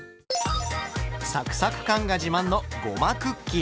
サクサク感が自慢のごまクッキー。